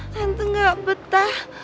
tante nggak betah